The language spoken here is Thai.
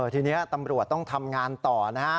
ทีนี้ตำรวจต้องทำงานต่อนะฮะ